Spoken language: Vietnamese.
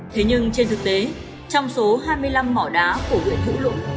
thế nhưng trên thực tế trong số hai mươi năm mỏ đá của huyện thủ luận